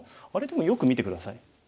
でもよく見て下さい。